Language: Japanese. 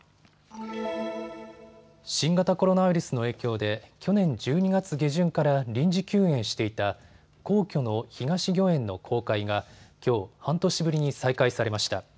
新型コロナウイルスの影響で去年１２月下旬から臨時休園していた皇居の東御苑の公開がきょう、半年ぶりに再開されました。